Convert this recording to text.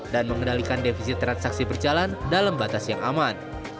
dan mengendalikan defisi transaksi berjalan dalam batas yang aman